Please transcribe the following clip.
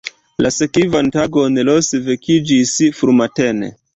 La sekvan tagon Ros vekiĝis frumatene.